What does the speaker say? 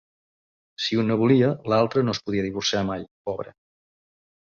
Si un no volia, l’altre no es podia divorciar mai, pobre.